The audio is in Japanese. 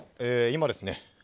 今ですね